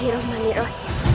ibu bunda disini nak